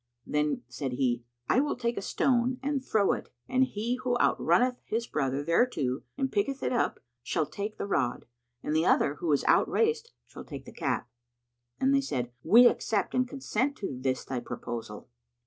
Then said he, "I will take a stone and throw it and he who outrunneth his brother thereto and picketh it up shall take the rod, and the other who is outraced shall take the cap." And they said, "We accept and consent to this thy proposal."